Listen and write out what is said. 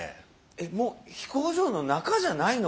えっもう飛行場の中じゃないの？